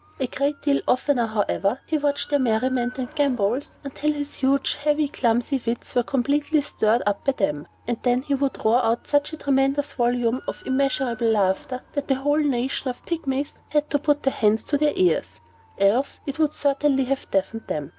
A great deal oftener, however, he watched their merriment and gambols until his huge, heavy, clumsy wits were completely stirred up by them; and then would he roar out such a tremendous volume of immeasurable laughter, that the whole nation of Pygmies had to put their hands to their ears, else it would certainly have deafened them.